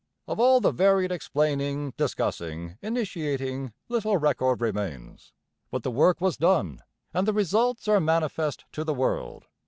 Of all the varied explaining, discussing, initiating, little record remains. But the work was done and the results are manifest to the world.